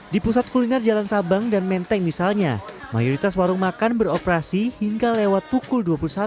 di pusat kuliner jalan sabang dan menteng misalnya mayoritas warung makan beroperasi hingga lewat pukul dua puluh satu